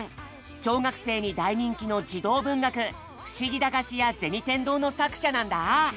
小学生に大人気の児童文学「ふしぎ駄菓子屋銭天堂」の作者なんだ。